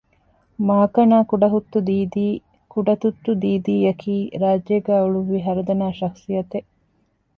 މާކަނާ ކުޑަހުއްތު ދީދީ ކުޑަތުއްތު ދީދީ އަކީ ރާއްޖޭގައި އުޅުއްވި ހަރުދަނާ ޝަޚުޞިއްޔަތެއް